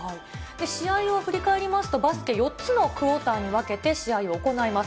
試合を振り返りますと、バスケ４つのクオーターに分けて試合を行います。